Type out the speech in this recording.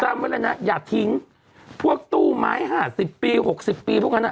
จำไว้เลยนะอย่าทิ้งพวกตู้ไม้๕๐ปี๖๐ปีพวกนั้นอ่ะ